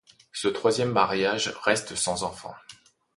Ce troisième mariage reste sans enfant.